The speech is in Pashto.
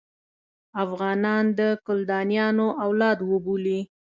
افغانان د کلدانیانو اولاد وبولي.